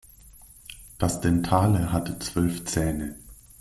Das Dentale hatte zwölf Zähne.